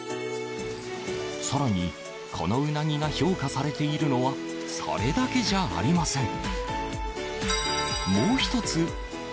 更に、このうなぎが評価されているのはそれだけじゃありません。